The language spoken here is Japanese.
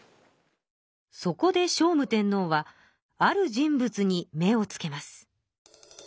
そこで聖武天皇はある人物に目をつけます。